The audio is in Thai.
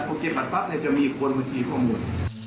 อาจจะเก็บบัตรแป๊บให้มีอีกคนบัญชีข้อมูล